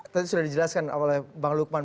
tadi sudah dijelaskan oleh bang lukman